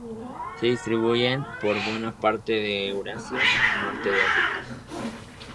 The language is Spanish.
Se distribuyen por buena parte de Eurasia y norte de África.